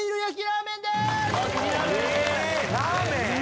ラーメン？